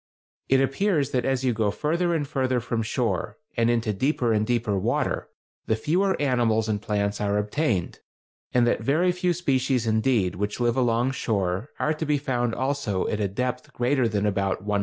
It appears that as you go further and further from shore, and into deeper and deeper water, the fewer animals and plants are obtained, and that very few species indeed which live along shore are to be found also at a depth greater than about 100 fathoms.